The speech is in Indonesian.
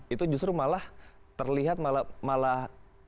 itu justru malah terlihat malah